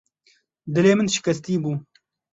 Dilê min şikestî bû.